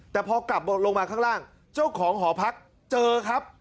แต่พอกลับลงมาข้างล่างเจ้าของหอพักเจอครับ